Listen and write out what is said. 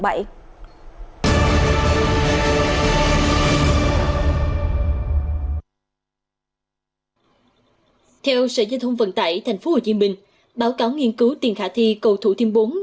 theo sở giao thông vận tải thành phố hồ chí minh báo cáo nghiên cứu tiền khả thi cầu thủ thiêm bốn